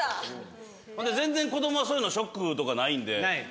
ほんで全然子供はそういうのショックとかないんで。